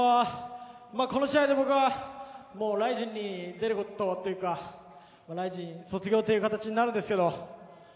この試合で僕はＲＩＺＩＮに出ることというかＲＩＺＩＮ卒業という形になるんですけど。